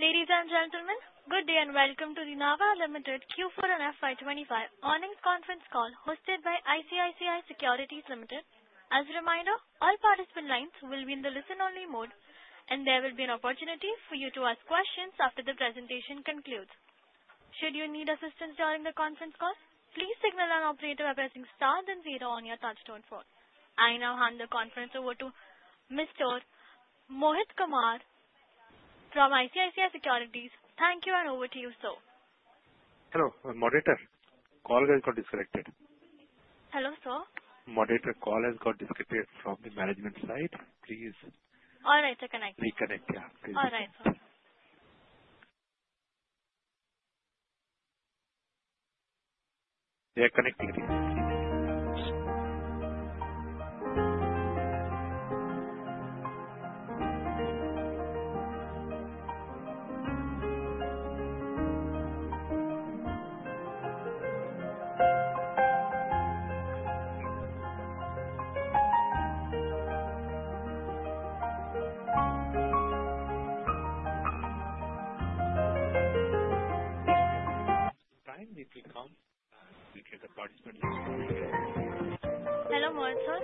Ladies and gentlemen, good day and welcome to the Nava Ltd Q4 and FY25 Earnings Conference Call hosted by ICICI Securities Ltd. As a reminder, all participant lines will be in the listen-only mode, and there will be an opportunity for you to ask questions after the presentation concludes. Should you need assistance during the conference call, please signal an operator by pressing star then zero on your touch-tone phone. I now hand the conference over to Mr. Mohit Kumar from ICICI Securities. Thank you, and over to you, sir. Hello, moderator. Call has got disconnected. Hello, sir? Moderator, call has got disconnected from the management side. Please. All right. I'll connect. Reconnect, yeah. Please. All right, sir. They are connecting it. This is the time we will come, and we'll get the participant list. Hello, Mod sir?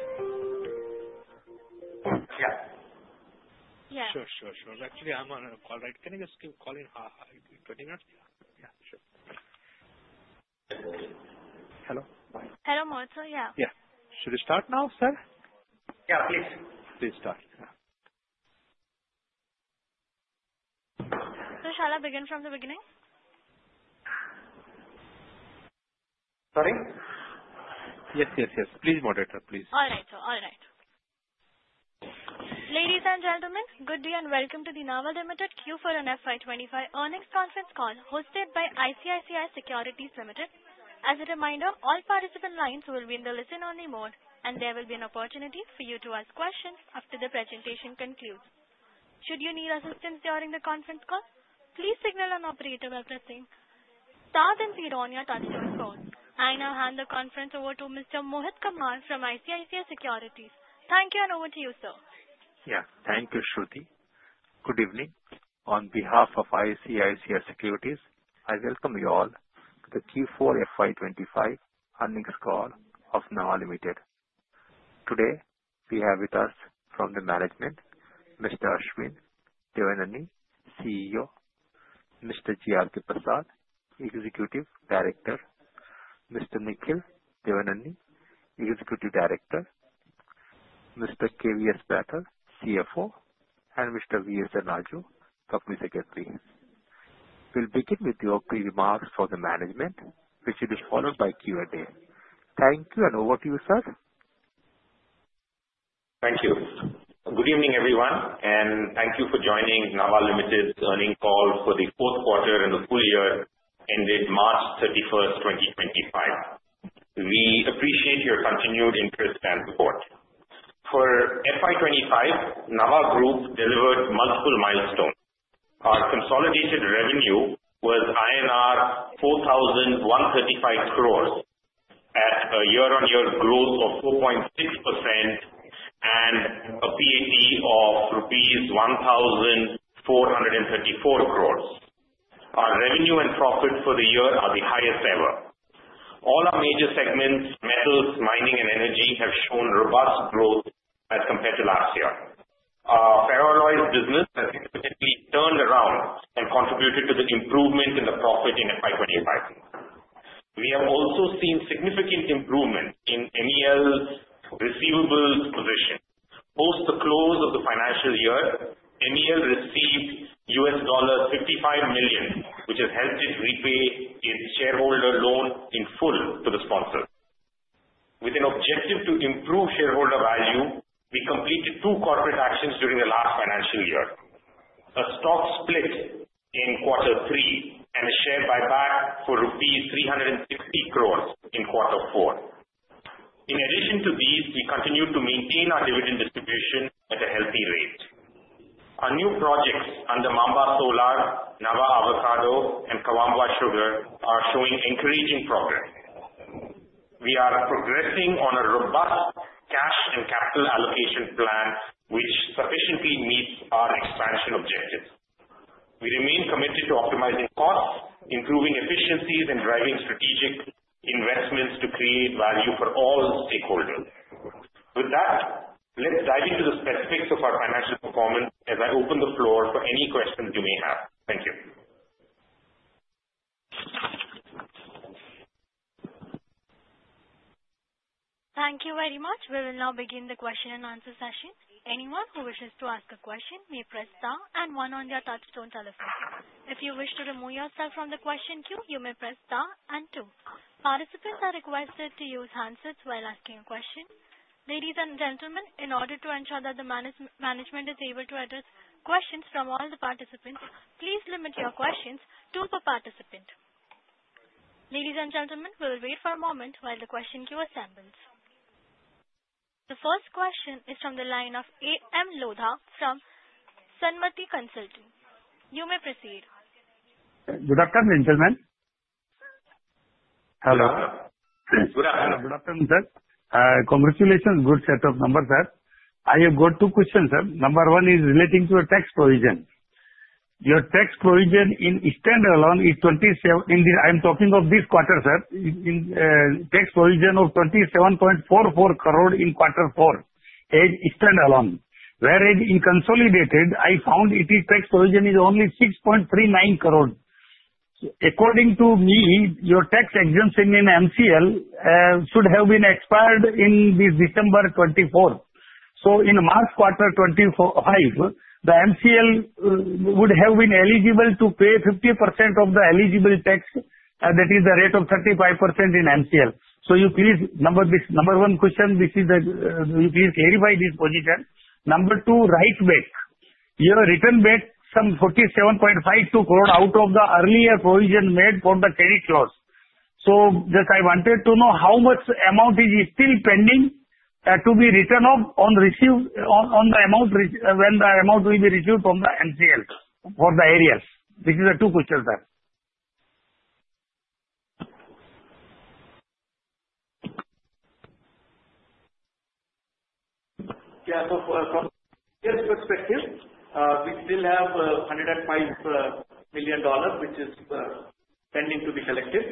Yeah. Yeah. Sure, sure, sure. Actually, I'm on a call, right? Can I just keep calling 20 minutes? Yeah, sure. Hello. Hello, Mod sir. Yeah. Yeah. Should we start now, sir? Yeah, please. Please start. So, shall I begin from the beginning? Sorry? Yes, yes, yes. Please, moderator, please. All right, sir. All right. Ladies and gentlemen, good day and welcome to the Nava Ltd Q4 and FY25 Earnings Conference Call hosted by ICICI Securities Ltd. As a reminder, all participant lines will be in the listen-only mode, and there will be an opportunity for you to ask questions after the presentation concludes. Should you need assistance during the conference call, please signal an operator by pressing star then zero on your touch-tone phone. I now hand the conference over to Mr. Mohit Kumar from ICICI Securities. Thank you, and over to you, sir. Yeah. Thank you, Shruti. Good evening. On behalf of ICICI Securities, I welcome you all to the Q4 FY25 Earnings Call of Nava Ltd. Today, we have with us from the management, Mr. Ashwin Devineni, CEO, Mr. G.R.K Prasad, Executive Director, Mr. Nikhil Devineni, Executive Director, Mr. K.V.S. Bhatter, CFO, and Mr. V.S.N. Raju, Company Secretary. We'll begin with your remarks for the management, which will be followed by Q&A. Thank you, and over to you, sir. Thank you. Good evening, everyone, and thank you for joining Nava Ltd's earnings call for the fourth quarter and the full year ended March 31st, 2025. We appreciate your continued interest and support. For FY25, Nava Group delivered multiple milestones. Our consolidated revenue was INR 4,135 crores at a year-on-year growth of 4.6% and a PAT of Rs 1,434 crores. Our revenue and profit for the year are the highest ever. All our major segments, metals, mining, and energy, have shown robust growth as compared to last year. Our power business has significantly turned around and contributed to the improvement in the profit in FY25. We have also seen significant improvement in MCL receivables position. Post the close of the financial year, MCL received $55 million, which has helped it repay its shareholder loan in full to the sponsor. With an objective to improve shareholder value, we completed two corporate actions during the last financial year: a stock split in quarter three and a share buyback for rupees 360 crores in quarter four. In addition to these, we continue to maintain our dividend distribution at a healthy rate. Our new projects under Maamba Solar, Nava Avocado, and Kawambwa Sugar are showing encouraging progress. We are progressing on a robust cash and capital allocation plan, which sufficiently meets our expansion objectives. We remain committed to optimizing costs, improving efficiencies, and driving strategic investments to create value for all stakeholders. With that, let's dive into the specifics of our financial performance as I open the floor for any questions you may have. Thank you. Thank you very much. We will now begin the question and answer session. Anyone who wishes to ask a question may press star and one on their touch-tone telephone. If you wish to remove yourself from the question queue, you may press star and two. Participants are requested to use handsets while asking a question. Ladies and gentlemen, in order to ensure that the management is able to address questions from all the participants, please limit your questions to per participant. Ladies and gentlemen, we'll wait for a moment while the question queue assembles. The first question is from the line of A.M. Lodha from Sanmati Consultants. You may proceed. Good afternoon, gentlemen. Hello. Good afternoon, sir. Congratulations. Good set of numbers, sir. I have got two questions, sir. Number one is relating to your tax provision. Your tax provision in standalone is 27. I am talking of this quarter, sir. Tax provision of 27.44 crore in quarter four is standalone. Whereas in consolidated, I found its tax provision is only 6.39 crore. According to me, your tax exemption in MCL should have been expired in December 2024. So in March quarter 2025, the MCL would have been eligible to pay 50% of the eligible tax, that is the rate of 35% in MCL. So please, number one question, you please clarify this position. Number two, reversal. You reversed back some 47.52 crore out of the earlier provision made for the credit loss. So I wanted to know how much amount is still pending to be returned on the amount when the amount will be received from the MCL for the areas. This is the two questions, sir. Yeah. So from this perspective, we still have $105 million, which is pending to be collected.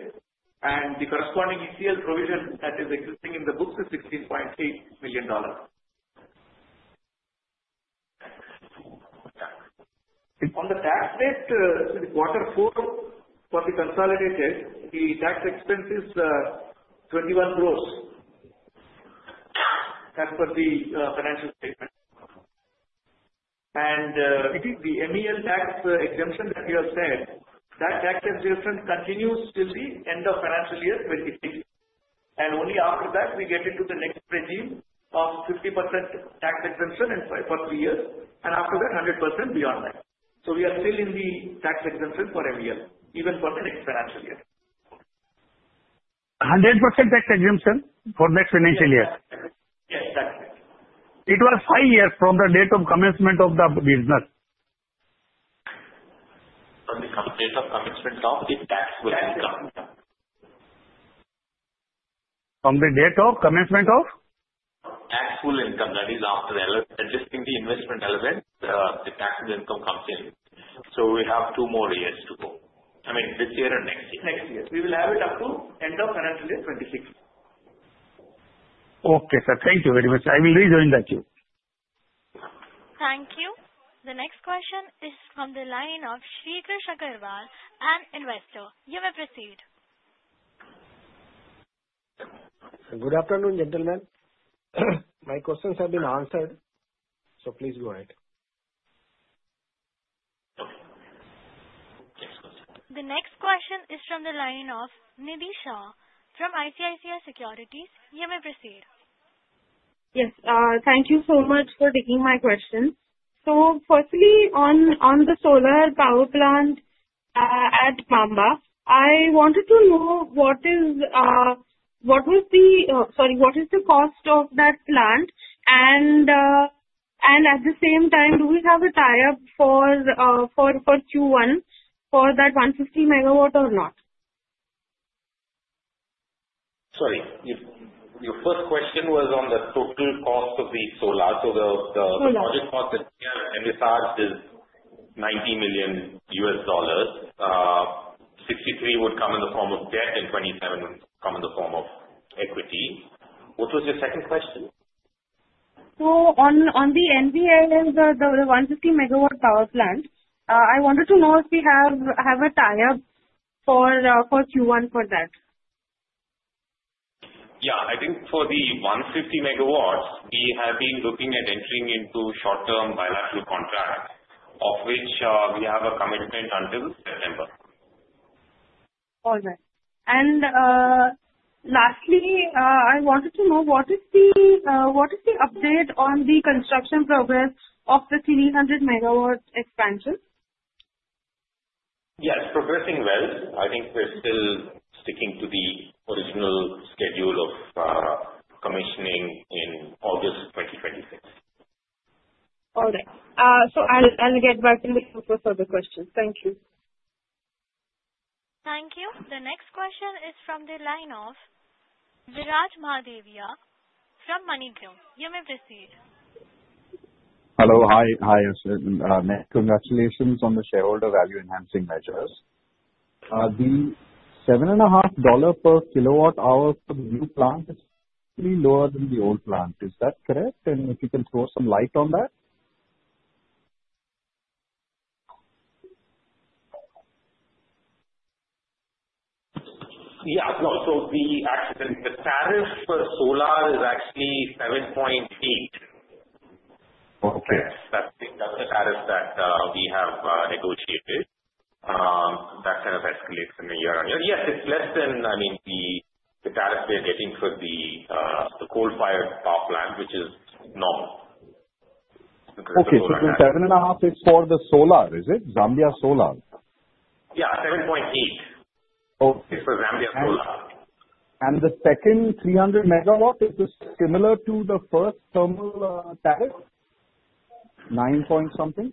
And the corresponding ECL provision that is existing in the books is $16.8 million. On the tax rate, quarter four for the consolidated, the tax expense is 21 crore. That's for the financial statement. And the MCL tax exemption that you have said, that tax exemption continues till the end of financial year 2026. And only after that, we get into the next regime of 50% tax exemption for three years. And after that, 100% beyond that. So we are still in the tax exemption for MCL, even for the next financial year. 100% tax exemption for next financial year? Yes, that's it. It was five years from the date of commencement of the business. From the date of commencement of the taxable income. From the date of commencement of? Taxable income, that is after adjusting the investment element, the taxable income comes in, so we have two more years to go. I mean, this year and next year. Next year. We will have it up to end of financial year 2026. Okay, sir. Thank you very much. I will rejoin that queue. Thank you. The next question is from the line of Sri Krish Agarwal, an investor. You may proceed. Good afternoon, gentlemen. My questions have been answered, so please go ahead. The next question is from the line of Nidhi Shah, from ICICI Securities. You may proceed. Yes. Thank you so much for taking my questions. So firstly, on the solar power plant at Maamba, I wanted to know what was the, sorry, what is the cost of that plant? And at the same time, do we have a tie-up for Q1 for that 150 megawatt or not? Sorry. Your first question was on the total cost of the solar, so the project cost that we have at Nava Solar is $90 million. $63 million would come in the form of debt, and $27 million would come in the form of equity. What was your second question? So, on the MCL, the 150-megawatt power plant, I wanted to know if we have a tie-up for Q1 for that? Yeah. I think for the 150 megawatts, we have been looking at entering into short-term bilateral contracts, of which we have a commitment until September. All right. Lastly, I wanted to know what is the update on the construction progress of the 300-megawatt expansion? Yes. Progressing well. I think we're still sticking to the original schedule of commissioning in August 2026. All right. So I'll get back to the Q&A for further questions. Thank you. Thank you. The next question is from the line of Viraj Mahadevia from MoneyGrow. You may proceed. Hello. Hi. Hi, Ashwin. Congratulations on the shareholder value-enhancing measures. The $7.5 per kilowatt-hour for the new plant is lower than the old plant. Is that correct? And if you can throw some light on that. Yeah. No. So the tariff for solar is actually 7.8. That's the tariff that we have negotiated. That kind of escalates from year on year. Yes, it's less than, I mean, the tariff they're getting for the coal-fired power plant, which is normal. Okay, so then 7.5 is for the solar, is it? Zambia Solar. Yeah. 7.8. Okay. It's for Zambia Solar. The second 300 megawatt, is this similar to the first thermal tariff? 9 point something?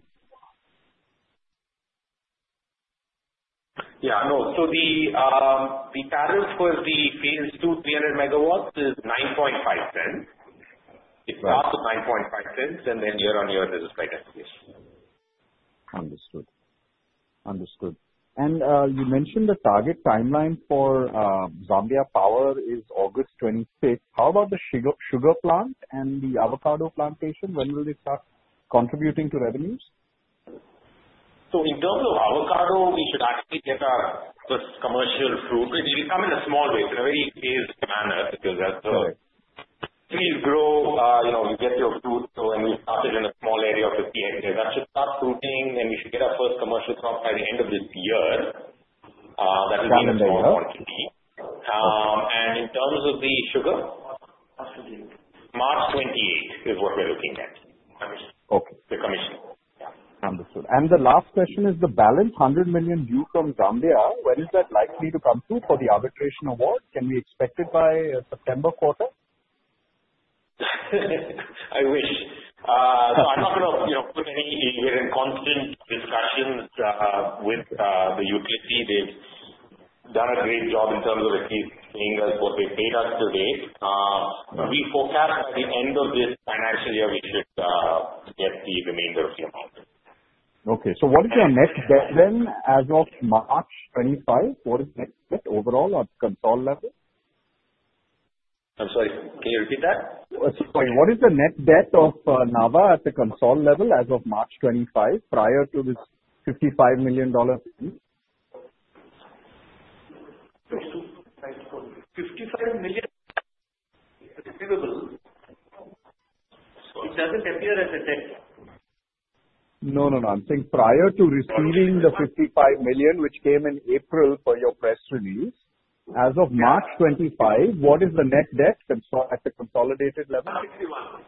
Yeah. No. The tariff for the Phase Two 300 megawatts is $0.095. It starts at $0.095, and then year on year, there's a slight escalation. Understood. Understood. And you mentioned the target timeline for Zambia Power is August 26. How about the sugar plant and the avocado plantation? When will they start contributing to revenues? In terms of avocado, we should actually get our first commercial fruit. It will come in a small way, in a very phased manner, because as the trees grow, you get your fruit. When we started in a small area of the PX area, that should start fruiting, and we should get our first commercial crop by the end of this year. That will be in a small quantity. In terms of the sugar, March 28 is what we're looking at. Okay. The commission. Yeah. Understood. And the last question is the balance, $100 million due from Zambia, when is that likely to come through for the arbitration award? Can we expect it by September quarter? I wish. So we're in constant discussions with the ZESCO. They've done a great job in terms of at least paying us what they've paid us to date. We forecast by the end of this financial year, we should get the remainder of the amount. Okay. So what is your net debt then as of March 25? What is the net debt overall at consolidated level? I'm sorry. Can you repeat that? Sorry. What is the net debt of Nava at the consolidated level as of March 25 prior to this $55 million? 55 million receivable. It doesn't appear as a debt. No, no, no. I'm saying prior to receiving the $55 million, which came in April for your press release, as of March 25, what is the net debt at the consolidated level? 61.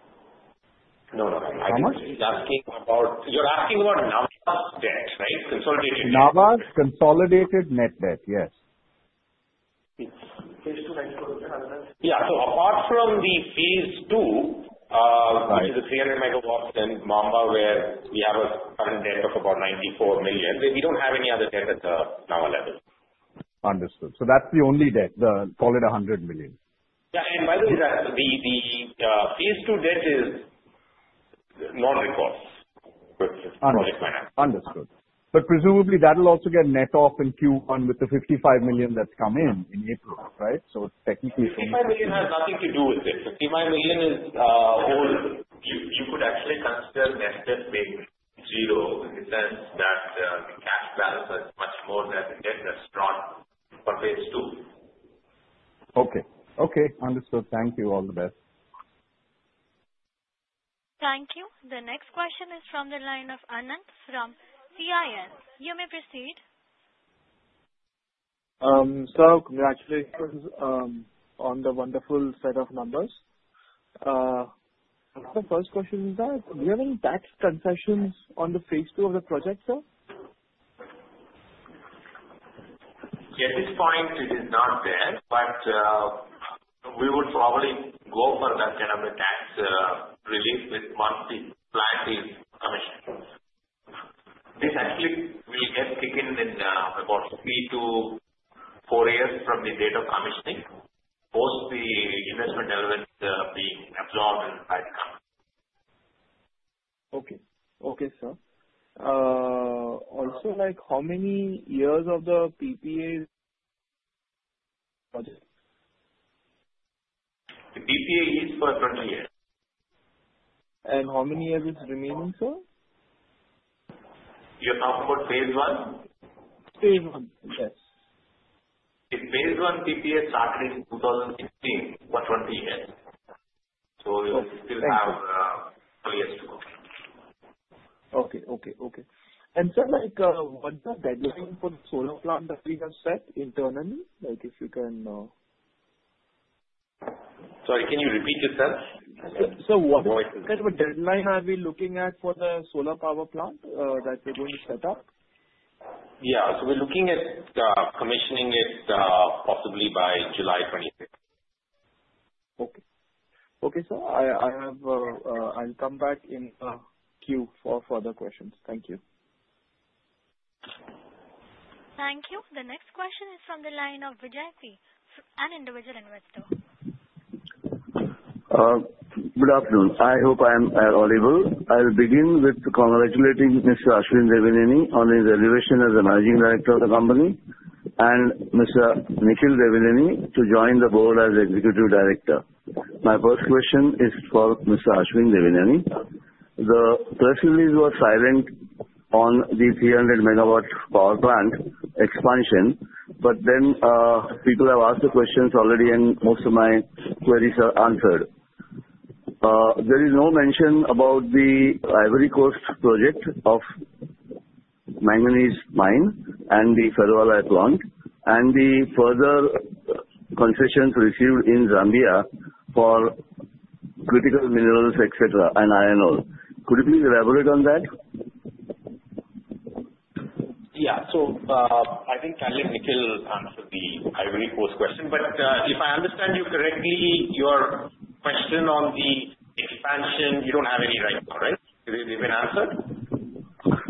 How much? You're asking about Nava's debt, right? Consolidated. Nava's consolidated net debt, yes. Phase Two, right? Yeah. So apart from the Phase Two, which is the 300 megawatts in Maamba, where we have a current debt of about $94 million, we don't have any other debt at the Nava level. Understood. So that's the only debt, the sole $100 million. Yeah, and by the way, the Phase Two debt is non-recourse. Understood. But presumably, that'll also get net off in Q1 with the 55 million that's come in in April, right? So technically. 55 million has nothing to do with it. 55 million is all. You could actually consider net debt being zero in the sense that the cash balance has much more net debt that's drawn for phase two. Okay. Okay. Understood. Thank you. All the best. Thank you. The next question is from the line of Anant from CIL. You may proceed. Sir, congratulations on the wonderful set of numbers. The first question is that, do you have any tax concessions on the phase two of the project, sir? At this point, it is not there, but we would probably go for that kind of a tax relief once the plant is commissioned. This actually will get taken in about three to four years from the date of commissioning, post the investment element being absorbed by the company. Okay. Okay, sir. Also, how many years of the PPA project? The PPA is for 20 years. How many years is remaining, sir? You're talking about phase one? Phase one, yes. The Phase One PPA started in 2016 for 20 years, so we still have four years to go. Okay. And sir, what's the deadline for the solar plant that we have set internally? If you can. Sorry, can you repeat yourself? So what kind of a deadline are we looking at for the solar power plant that we're going to set up? Yeah, so we're looking at commissioning it possibly by July 26. Okay. Okay, sir. I'll come back in a queue for further questions. Thank you. Thank you. The next question is from the line of Vijay Kedia, an individual investor. Good afternoon. I hope I am audible. I'll begin with congratulating Mr. Ashwin Devineni on his elevation as the Managing Director of the company and Mr. Nikhil Devineni to join the board as Executive Director. My first question is for Mr. Ashwin Devineni. The press release was silent on the 300-megawatt power plant expansion, but then people have asked the questions already, and most of my queries are answered. There is no mention about the Ivory Coast project of manganese mine and the ferroalloys plant and the further concessions received in Zambia for critical minerals, etc., and iron ore. Could you please elaborate on that? Yeah. So I think I'll let Nikhil answer the Ivory Coast question. But if I understand you correctly, your question on the expansion, you don't have any right now, right? It has been answered?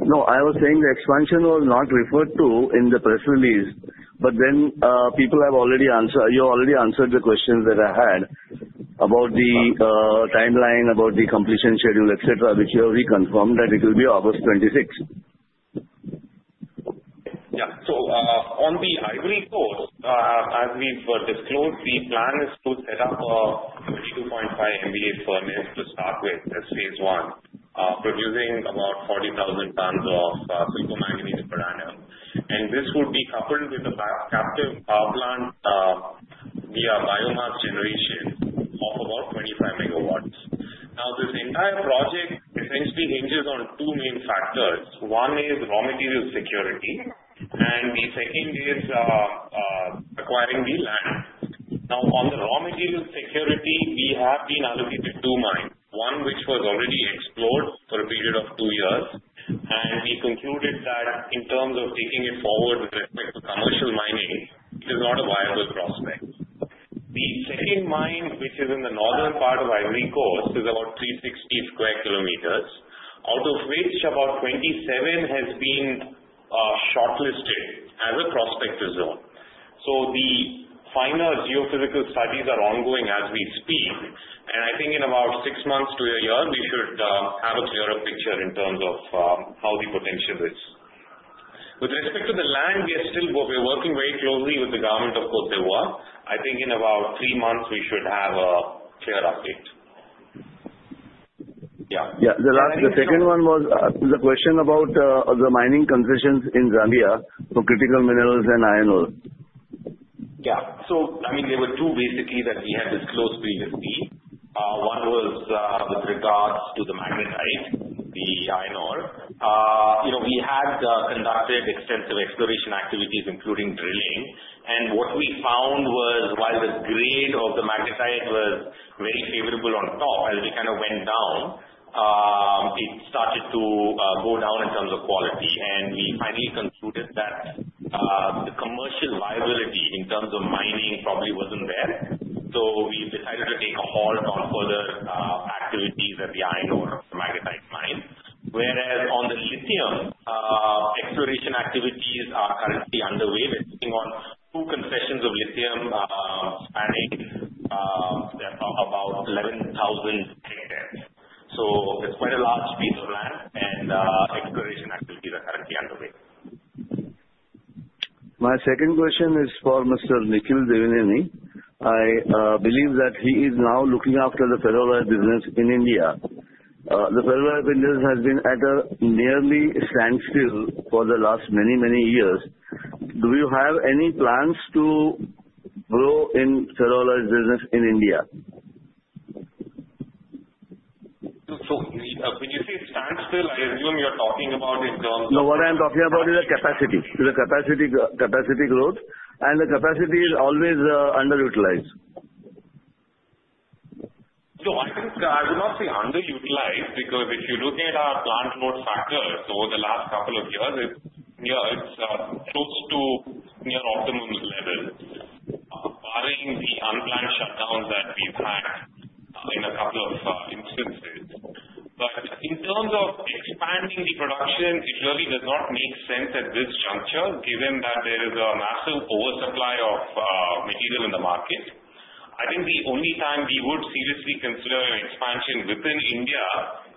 No, I was saying the expansion was not referred to in the press release, but then people have already answered, you already answered the questions that I had about the timeline, about the completion schedule, etc., which we confirmed that it will be August 26. Yeah. So on the Ivory Coast, as we've disclosed, the plan is to set up a 52.5 MVA furnace to start with as phase one, producing about 40,000 tons of silicomanganese per annum. And this would be coupled with a captive power plant via biomass generation of about 25 megawatts. Now, this entire project essentially hinges on two main factors. One is raw material security, and the second is acquiring the land. Now, on the raw material security, we have been allocated two mines, one which was already explored for a period of two years, and we concluded that in terms of taking it forward with respect to commercial mining, it is not a viable prospect. The second mine, which is in the northern part of Ivory Coast, is about 360 sq km, out of which about 27 has been shortlisted as a prospective zone. So the final geophysical studies are ongoing as we speak, and I think in about six months to a year, we should have a clearer picture in terms of how the potential is. With respect to the land, we are working very closely with the government of Côte d'Ivoire. I think in about three months, we should have a clear update. Yeah. Yeah. The second one was the question about the mining concessions in Zambia for critical minerals and iron ore. Yeah. So I mean, there were two basically that we have disclosed previously. One was with regards to the magnetite, the iron ore. We had conducted extensive exploration activities, including drilling, and what we found was while the grade of the magnetite was very favorable on top, as we kind of went down, it started to go down in terms of quality. And we finally concluded that the commercial viability in terms of mining probably wasn't there. So we decided to take a halt on further activities at the iron ore of the magnetite mine. Whereas on the lithium, exploration activities are currently underway. We're looking on two concessions of lithium spanning about 11,000 hectares. So it's quite a large piece of land, and exploration activities are currently underway. My second question is for Mr. Nikhil Devineni. I believe that he is now looking after the ferroalloys business in India. The ferroalloys business has been at a nearly standstill for the last many, many years. Do you have any plans to grow in ferroalloys' business in India? So when you say standstill, I assume you're talking about in terms of. No, what I'm talking about is the capacity. The capacity growth, and the capacity is always underutilized. No, I would not say underutilized because if you look at our plant load factors over the last couple of years, yeah, it's close to near optimum level, barring the unplanned shutdowns that we've had in a couple of instances, but in terms of expanding the production, it really does not make sense at this juncture, given that there is a massive oversupply of material in the market. I think the only time we would seriously consider an expansion within India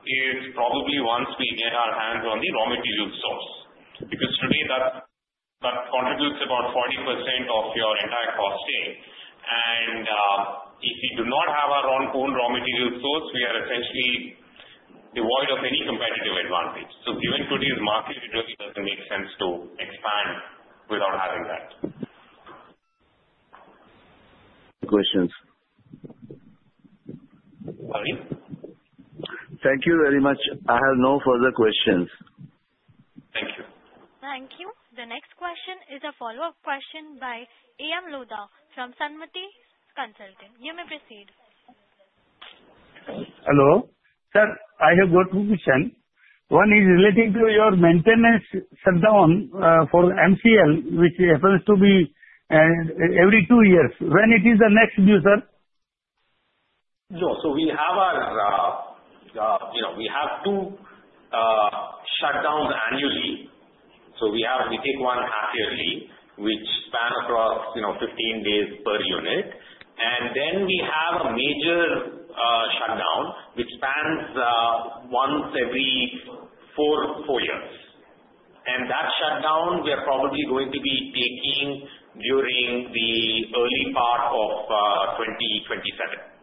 is probably once we get our hands on the raw material source because today that contributes about 40% of your entire costing, and if we do not have our own raw material source, we are essentially devoid of any competitive advantage, so given today's market, it really doesn't make sense to expand without having that. Questions? Sorry? Thank you very much. I have no further questions. Thank you. Thank you. The next question is a follow-up question by A.M. Lodha from Sanmati Consultants. You may proceed. Hello. Sir, I have got two questions. One is relating to your maintenance shutdown for MCL, which happens to be every two years. When it is the next due, sir? No. So we have two shutdowns annually. So we take one half-yearly, which spans across 15 days per unit. And then we have a major shutdown, which spans once every four years. And that shutdown, we are probably going to be taking during the early part of 2027.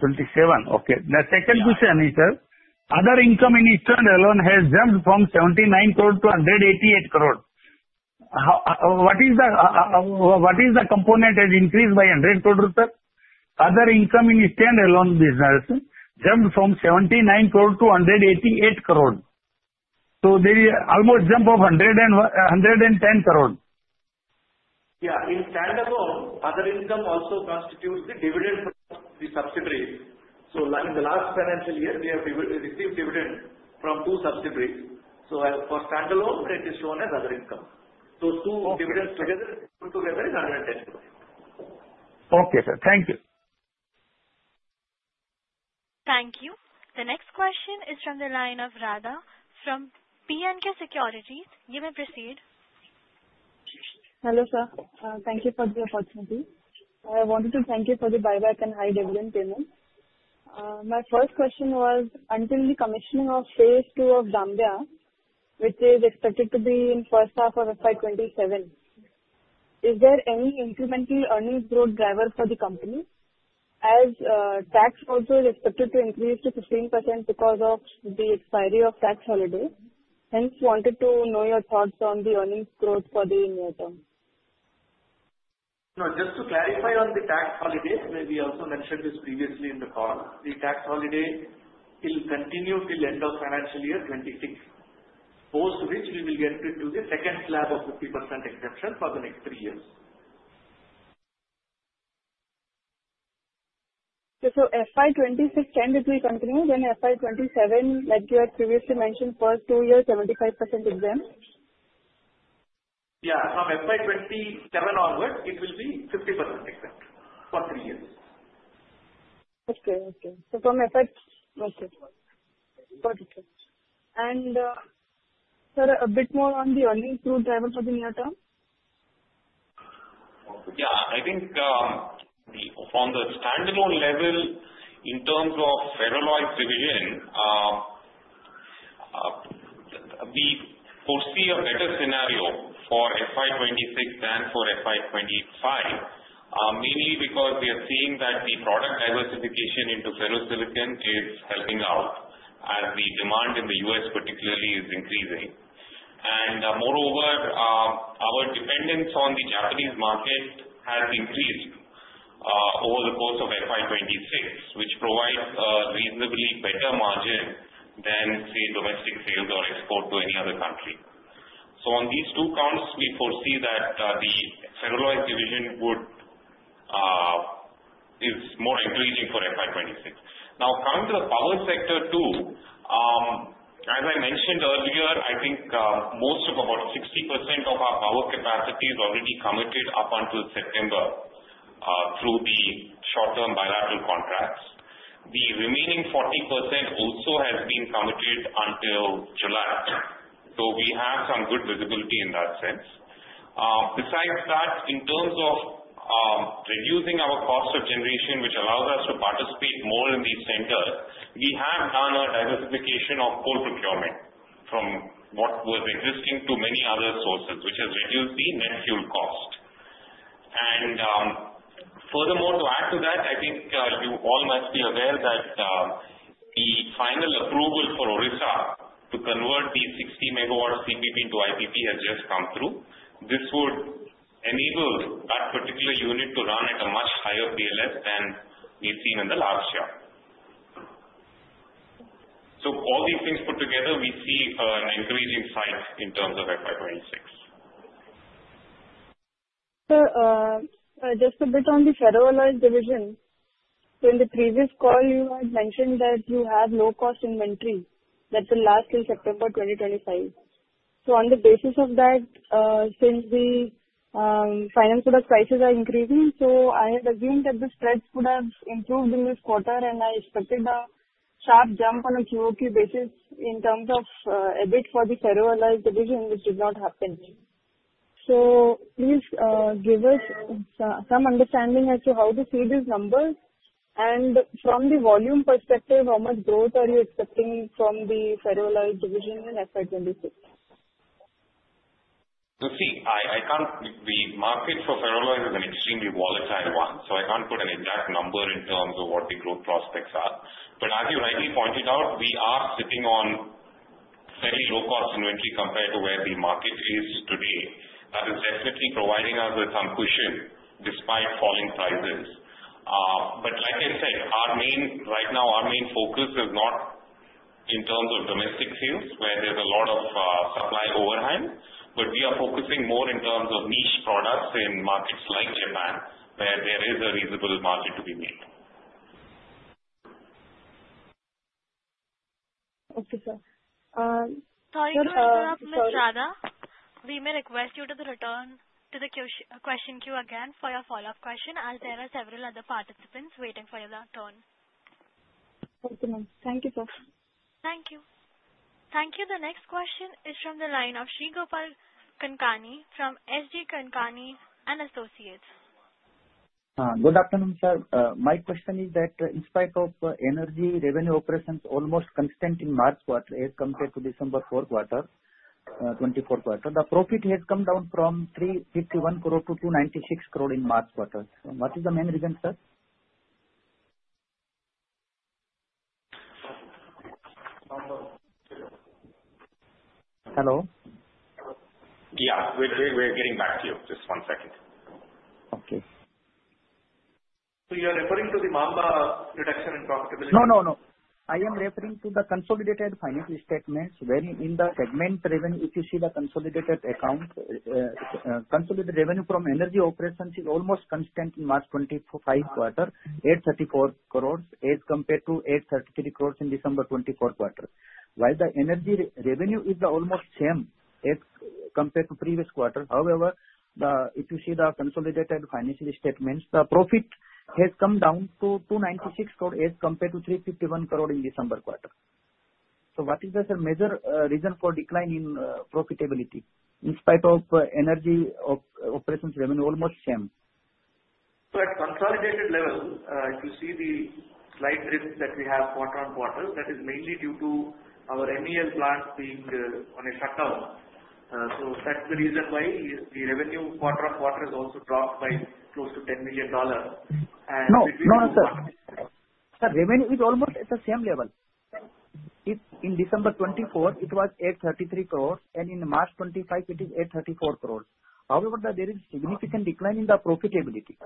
2027. Okay. The second question is, sir, other income in standalone has jumped from 79 crore to 188 crore. What is the component that increased by 100 crore, sir? Other income in standalone business jumped from 79 crore to 188 crore. So there is almost a jump of 110 crore. Yeah. In Standalone, other income also constitutes the dividend from the subsidiaries. So in the last financial year, we have received dividends from two subsidiaries. So for Standalone, it is shown as other income. So two dividends together is INR 110 crore. Okay, sir. Thank you. Thank you. The next question is from the line of Radha from B&K Securities. You may proceed. Hello, sir. Thank you for the opportunity. I wanted to thank you for the buyback and high dividend payment. My first question was, until the commissioning of phase two of Zambia, which is expected to be in the first half of FY 27, is there any incremental earnings growth driver for the company as tax also is expected to increase to 15% because of the expiry of tax holiday? Hence, wanted to know your thoughts on the earnings growth for the near term. Just to clarify on the tax holidays, as we also mentioned this previously in the call, the tax holiday will continue till the end of financial year 2026, post which we will get into the second slab of 50% exemption for the next three years. So FY 26 can be continued when FY 27, like you had previously mentioned, first two years, 75% exempt? Yeah. From FY 2027 onwards, it will be 50% exempt for three years. Got it, and, sir, a bit more on the earnings growth driver for the near term? Yeah. I think on the standalone level, in terms of Ferroalloys division, we foresee a better scenario for FY 26 than for FY 25, mainly because we are seeing that the product diversification into ferrosilicon is helping out as the demand in the U.S., particularly, is increasing. And moreover, our dependence on the Japanese market has increased over the course of FY 26, which provides a reasonably better margin than, say, domestic sales or export to any other country. So on these two counts, we foresee that the Ferroalloys division is more encouraging for FY 26. Now, coming to the power sector too, as I mentioned earlier, I think most of about 60% of our power capacity is already committed up until September through the short-term bilateral contracts. The remaining 40% also has been committed until July. So we have some good visibility in that sense. Besides that, in terms of reducing our cost of generation, which allows us to participate more in these tenders, we have done a diversification of coal procurement from what was existing to many other sources, which has reduced the net fuel cost. And furthermore, to add to that, I think you all must be aware that the final approval for Odisha to convert the 60-megawatt CPP into IPP has just come through. This would enable that particular unit to run at a much higher PLF than we've seen in the last year. So all these things put together, we see an increasing upside in terms of FY26. Sir, just a bit on the ferroalloys division. So in the previous call, you had mentioned that you have low-cost inventory, that'll last till September 2025. So on the basis of that, since the ferroalloy product prices are increasing, so I had assumed that the spreads would have improved in this quarter, and I expected a sharp jump on a QOQ basis in terms of EBIT for the ferroalloys division, which did not happen. So please give us some understanding as to how to see these numbers. And from the volume perspective, how much growth are you expecting from the ferroalloys division in FY 26? Let's see. The market for ferro alloys is an extremely volatile one, so I can't put an exact number in terms of what the growth prospects are, but as you rightly pointed out, we are sitting on fairly low-cost inventory compared to where the market is today. That is definitely providing us with some cushion despite falling prices, but like I said, right now, our main focus is not in terms of domestic sales, where there's a lot of supply overhang, but we are focusing more in terms of niche products in markets like Japan, where there is a reasonable margin to be made. Okay, sir. Sorry to interrupt, Ms. Radha. We may request you to return to the question queue again for your follow-up question as there are several other participants waiting for your turn. Thank you, ma'am. Thank you, sir. Thank you. Thank you. The next question is from the line of Sri Gopal Kankani from SG Kankani & Associates. Good afternoon, sir. My question is that in spite of energy revenue operations almost constant in March quarter as compared to December fourth quarter, 24th quarter, the profit has come down from 51 crore to 296 crore in March quarter. What is the main reason, sir? Hello? Yeah. We're getting back to you. Just one second. Okay. So you're referring to the Maamba reduction in profitability? No, no, no. I am referring to the consolidated financial statements when in the segment revenue, if you see the consolidated account, consolidated revenue from energy operations is almost constant in March 2025 quarter, 834 crore as compared to 833 crore in December 2024 quarter. While the energy revenue is almost same as compared to previous quarter. However, if you see the consolidated financial statements, the profit has come down to 296 crore as compared to 351 crore in December quarter. So what is the major reason for decline in profitability in spite of energy operations revenue almost same? So at consolidated level, if you see the slight drift that we have quarter on quarter, that is mainly due to our MCL plants being on a shutdown. So that's the reason why the revenue quarter on quarter has also dropped by close to $10 million. And. No, no, sir. Sir, revenue is almost at the same level. In December 2024, it was 833 crore, and in March 2025, it is 834 crore. However, there is significant decline in the profitability.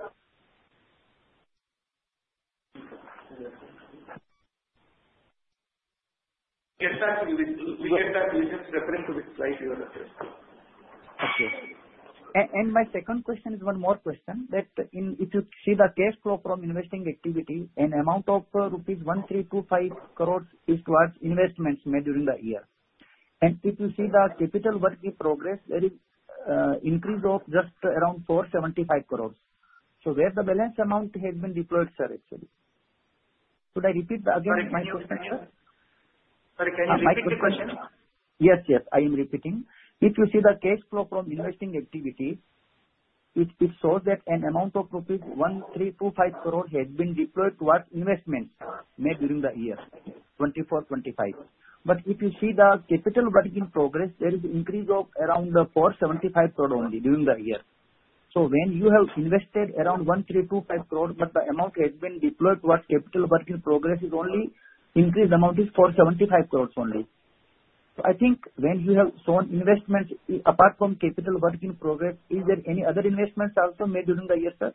Yes, sir. We get that. We just referred to the slide you referred to. Okay. And my second question is one more question. If you see the cash flow from investing activity, an amount of rupees 1,325 crore is towards investments made during the year. And if you see the capital work in progress, there is an increase of just around 475 crore. So where the balance amount has been deployed, sir, actually? Could I repeat again my question, sir? Sorry, can you repeat the question? Yes, yes. I am repeating. If you see the cash flow from investing activity, it shows that an amount of rupees 1,325 crore has been deployed towards investments made during the year 2024-25. But if you see the capital work in progress, there is an increase of around 475 crore only during the year. So when you have invested around 1,325 crore, but the amount has been deployed towards capital work in progress is only increased amount is 475 crore only. So I think when you have shown investments, apart from capital work in progress, is there any other investments also made during the year, sir?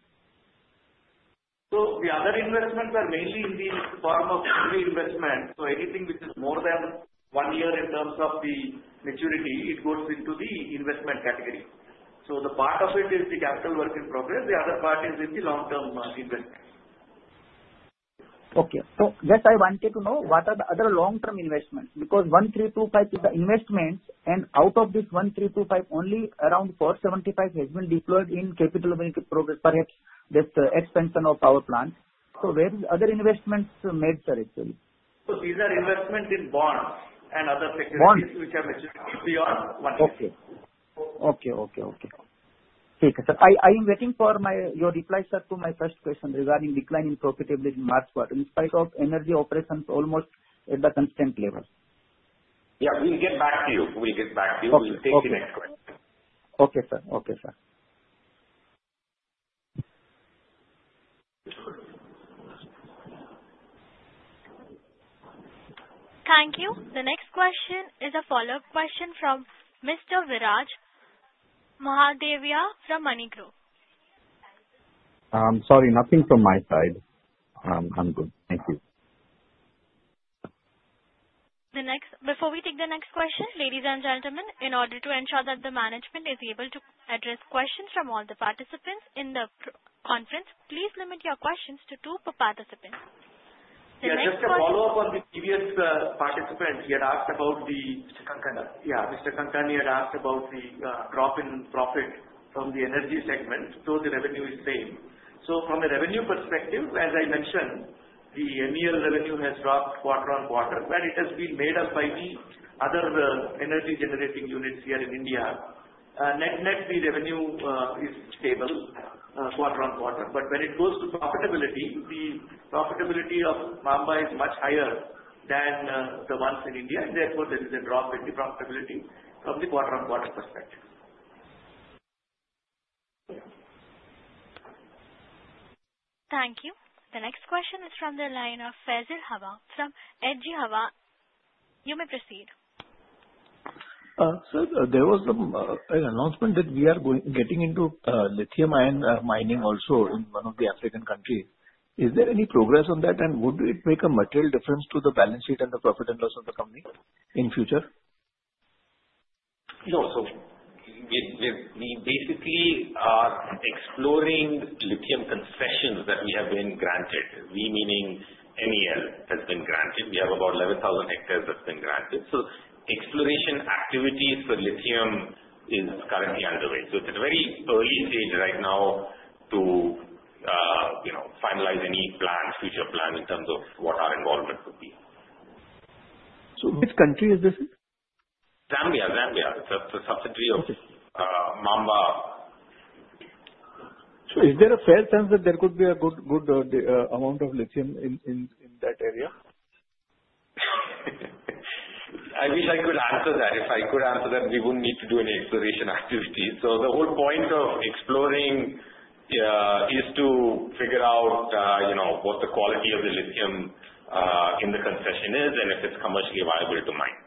So the other investments are mainly in the form of equity investment. So anything which is more than one year in terms of the maturity, it goes into the investment category. So the part of it is the capital work in progress. The other part is in the long-term investments. Okay. So just I wanted to know what are the other long-term investments because 1,325 is the investments, and out of this 1,325, only around 475 has been deployed in capital work in progress, perhaps with the expansion of our plants. So where are the other investments made, sir, actually? These are investments in bonds and other sectors which are beyond one year. Okay, sir. I am waiting for your reply, sir, to my first question regarding decline in profitability in March quarter in spite of energy operations almost at the constant level. Yeah. We'll get back to you. We'll get back to you. We'll take the next question. Okay, sir. Okay, sir. Thank you. The next question is a follow-up question from Mr. Viraj Mahadevia from MoneyGrow. Sorry, nothing from my side. I'm good. Thank you. Before we take the next question, ladies and gentlemen, in order to ensure that the management is able to address questions from all the participants in the conference, please limit your questions to two participants. Yeah. Just a follow-up on the previous participant. He had asked about Mr. Kankani. Yeah. Mr. Kankani had asked about the drop in profit from the energy segment, though the revenue is same. So from a revenue perspective, as I mentioned, the MEL revenue has dropped quarter on quarter, where it has been made up by the other energy-generating units here in India. Net net, the revenue is stable quarter on quarter. But when it goes to profitability, the profitability of Maamba is much higher than the ones in India. Therefore, there is a drop in the profitability from the quarter on quarter perspective. Thank you. The next question is from the line of Faisal Hawa from H.G. Hawa. You may proceed. Sir, there was an announcement that we are getting into lithium mining also in one of the African countries. Is there any progress on that, and would it make a material difference to the balance sheet and the profit and loss of the company in the future? No. So we basically are exploring lithium concessions that we have been granted. We meaning MCL has been granted. We have about 11,000 hectares that have been granted. So exploration activities for lithium are currently underway. So it's at a very early stage right now to finalize any future plan in terms of what our involvement would be. Which country is this in? Zambia. It's a subsidiary of Maamba. So is there a fair chance that there could be a good amount of lithium in that area? I wish I could answer that. If I could answer that, we wouldn't need to do any exploration activity. So the whole point of exploring is to figure out what the quality of the lithium in the concession is and if it's commercially viable to mine.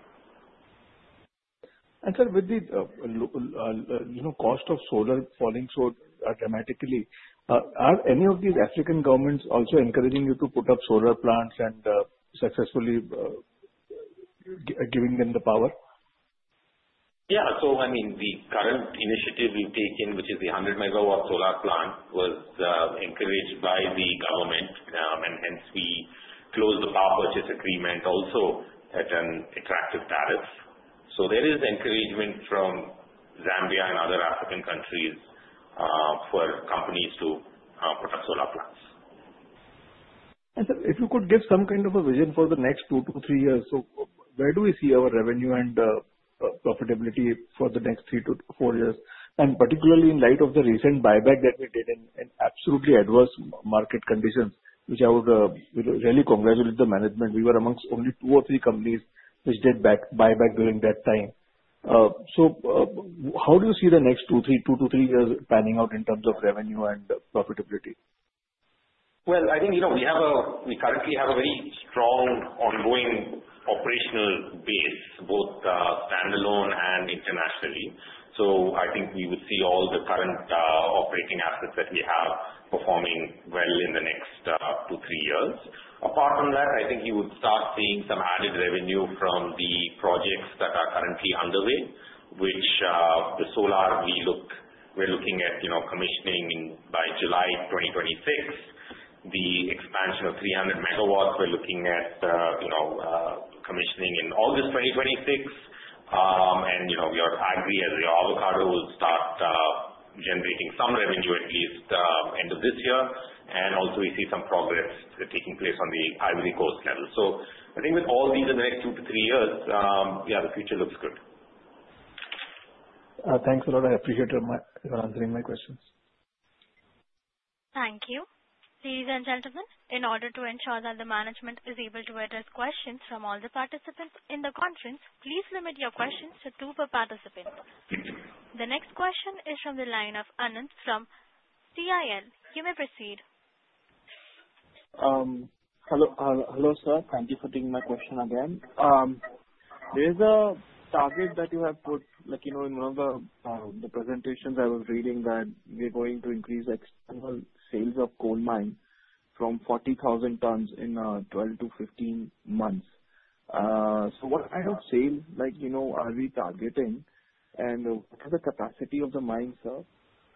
Sir, with the cost of solar falling so dramatically, are any of these African governments also encouraging you to put up solar plants and successfully giving them the power? Yeah. So I mean, the current initiative we've taken, which is the 100-megawatt solar plant, was encouraged by the government, and hence we closed the power purchase agreement also at an attractive tariff. So there is encouragement from Zambia and other African countries for companies to put up solar plants. Sir, if you could give some kind of a vision for the next two to three years, so where do we see our revenue and profitability for the next three to four years? Particularly in light of the recent buyback that we did in absolutely adverse market conditions, which I would really congratulate the management. We were among only two or three companies which did buyback during that time. How do you see the next two to three years panning out in terms of revenue and profitability? I think we currently have a very strong ongoing operational base, both standalone and internationally. I think we would see all the current operating assets that we have performing well in the next two to three years. Apart from that, I think you would start seeing some added revenue from the projects that are currently underway, which the solar we're looking at commissioning by July 2026. The expansion of 300 megawatts, we're looking at commissioning in August 2026. We are hungry as the avocado will start generating some revenue at least at the end of this year. Also, we see some progress taking place on the Ivory Coast level. I think with all these in the next two to three years, yeah, the future looks good. Thanks a lot. I appreciate your answering my questions. Thank you. Ladies and gentlemen, in order to ensure that the management is able to address questions from all the participants in the conference, please limit your questions to two per participant. The next question is from the line of Anant from CIL. You may proceed. Hello, sir. Thank you for taking my question again. There is a target that you have put in one of the presentations I was reading that we're going to increase the sales of coal mine from 40,000 tons in 12-15 months. So what kind of sales are we targeting? And what is the capacity of the mine, sir?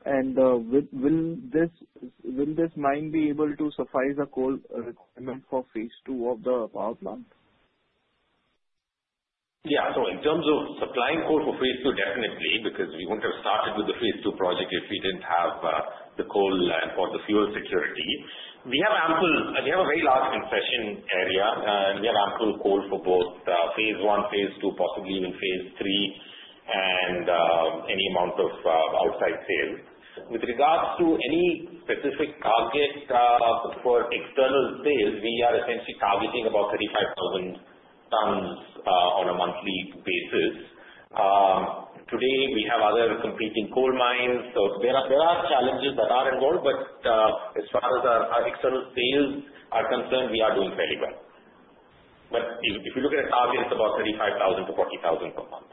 And will this mine be able to suffice the coal requirement for Phase Two of the power plant? Yeah. So in terms of supplying coal for Phase Two, definitely, because we wouldn't have started with the Phase Two project if we didn't have the coal for the fuel security. We have a very large concession area, and we have ample coal for both Phase One, Phase Two, possibly even Phase Three, and any amount of outside sales. With regards to any specific target for external sales, we are essentially targeting about 35,000 tons on a monthly basis. Today, we have other competing coal mines. So there are challenges that are involved, but as far as our external sales are concerned, we are doing fairly well. But if you look at the target, it's about 35,000-40,000 per month.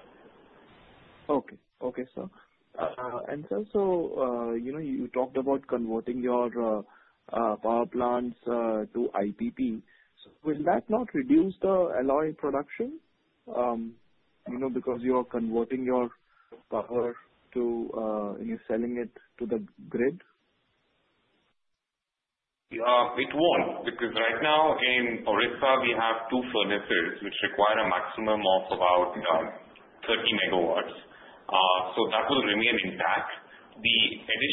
Okay. Okay, sir, and, sir, so you talked about converting your power plants to IPP, so will that not reduce the alloy production because you are converting your power to and you're selling it to the grid? It won't because right now in Orissa, we have two furnaces which require a maximum of about 30 megawatts. So that will remain intact. The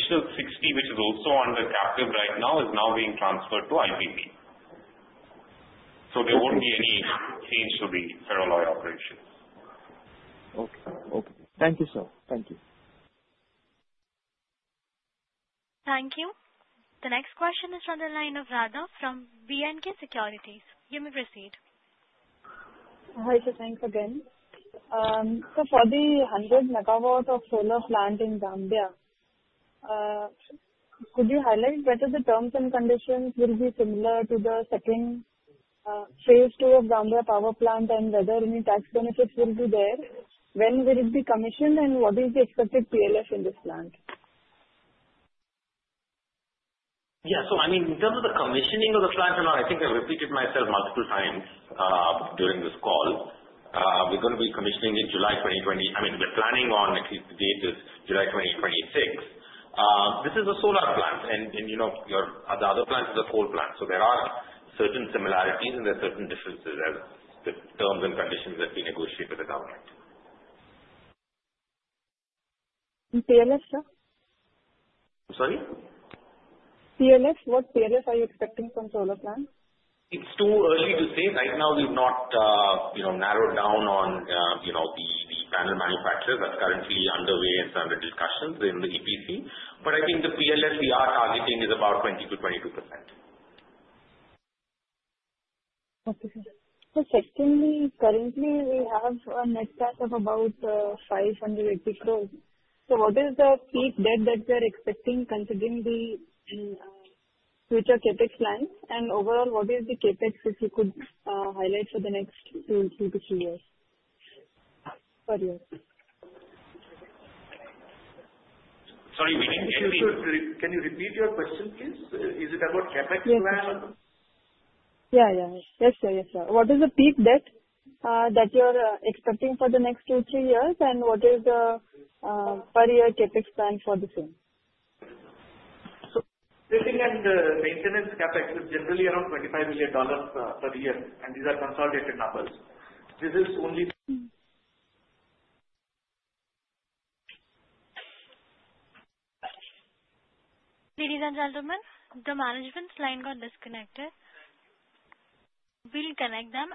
additional 60, which is also under captive right now, is now being transferred to IPP. So there won't be any change to the ferro alloy operations. Okay. Okay. Thank you, sir. Thank you. Thank you. The next question is from the line of Raghav from B&K Securities. You may proceed. Hi, sir. Thanks again. So for the 100-megawatt solar plant in Zambia, could you highlight whether the terms and conditions will be similar to Phase Two of the Zambia power plant and whether any tax benefits will be there? When will it be commissioned, and what is the expected PLF in this plant? Yeah. So I mean, in terms of the commissioning of the plant and all, I think I repeated myself multiple times during this call. We're going to be commissioning in July 2020. I mean, we're planning on at least the date is July 2026. This is a solar plant, and the other plant is a coal plant. So there are certain similarities, and there are certain differences in the terms and conditions that we negotiate with the government. PLF, sir? I'm sorry? PLF? What PLF are you expecting from solar plant? It's too early to say. Right now, we've not narrowed down on the panel manufacturers that are currently underway and under discussions in the EPC. But I think the PLF we are targeting is about 20%-22%. Okay. Sir, so secondly, currently, we have a net debt of about 580 crore. So what is the peak debt that we are expecting considering the future CapEx plan? And overall, what is the CapEx, if you could highlight for the next two to three years per year? Sorry, can you repeat your question, please? Is it about CapEx plan? Yeah, yeah, yeah. Yes, sir. Yes, sir. What is the peak debt that you are expecting for the next two to three years, and what is the per-year CapEx plan for the same? So building and maintenance CapEx is generally around $25 million per year, and these are consolidated numbers. This is only. Ladies and gentlemen, the management's line got disconnected. We'll connect them.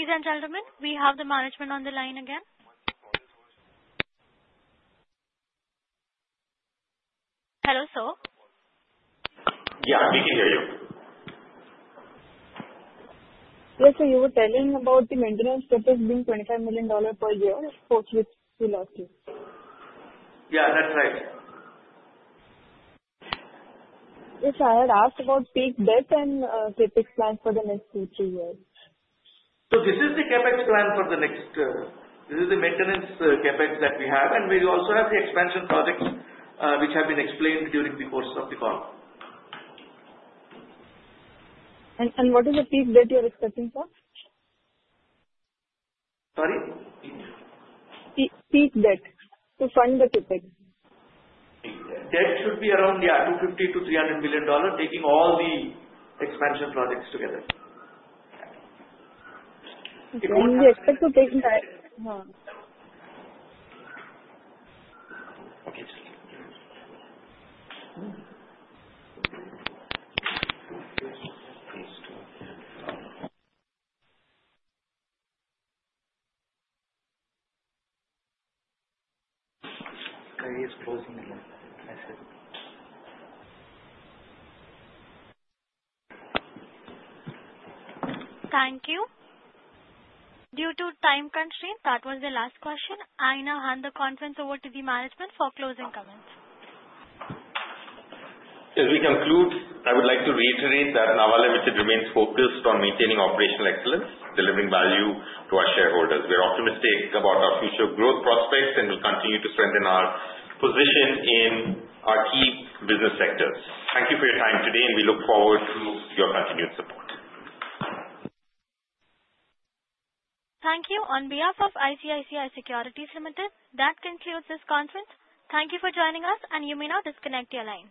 Ladies and gentlemen, we have the management on the line again. Hello, sir? Yeah. We can hear you. Yes, sir. You were telling about the maintenance that is being $25 million per year, which we lost you. Yeah, that's right. Yes, sir. I had asked about peak debt and CapEx plan for the next two to three years. So this is the CapEx plan for the next. This is the maintenance CapEx that we have, and we also have the expansion projects which have been explained during the course of the call. What is the peak debt you are expecting, sir? Sorry? Peak debt to fund the CapEx. Debt should be around, yeah, $250 million-$300 million, taking all the expansion projects together. Okay. When do you expect to take? Okay. I think he's closing the line. Thank you. Due to time constraints, that was the last question. I now hand the conference over to the management for closing comments. As we conclude, I would like to reiterate that Nava Ltd, which remains focused on maintaining operational excellence, delivering value to our shareholders. We're optimistic about our future growth prospects and will continue to strengthen our position in our key business sectors. Thank you for your time today, and we look forward to your continued support. Thank you. On behalf of ICICI Securities Ltd, that concludes this conference. Thank you for joining us, and you may now disconnect your lines.